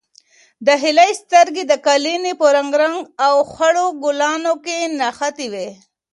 د هیلې سترګې د قالینې په رنګارنګ او خړو ګلانو کې نښتې وې.